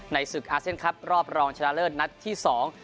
ศึกอาเซียนครับรอบรองชนะเลิศนัดที่สอง